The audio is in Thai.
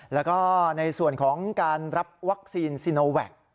แล้วก็ในส่วนของการรับวัคซีนซีโนแวค